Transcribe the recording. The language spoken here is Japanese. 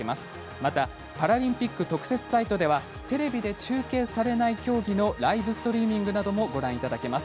またパラリンピック特設サイトではテレビで中継されない競技のライブストリーミングなどもご覧いただけます。